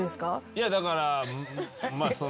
いやだからまあその。